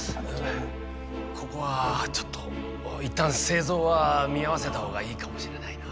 ここはちょっといったん製造は見合わせたほうがいいかもしれないな。